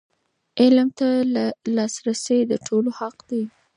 علم ته لاسرسی د ټولو حق دی.